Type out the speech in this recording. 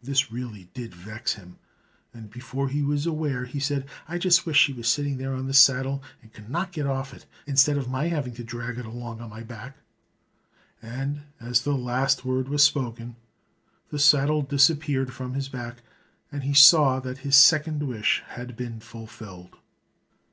This really did vex him, and before he was aware, he said, "I just wish she was sitting there on this saddle, and could not get off it, instead of my having to drag it along on my back." And as the last word was spoken, the saddle disappeared from his back, and he saw that his second wish had been fulfilled.